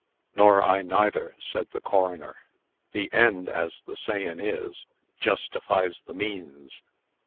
"Nor I neither," said the coroner. "The end, as the sayin' is, justifies the means."